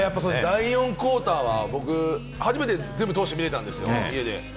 第４クオーターは僕、全部通して見れたんですよ、家で。